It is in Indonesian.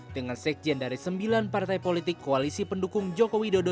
dengan sekjen dari sembilan partai politik koalisi pendukung jokowi dodo